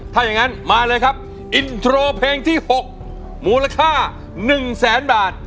ถ้าอย่างนั้นมาเลยครับอินโทรเพลงที่๖มูลค่า๑แสนบาท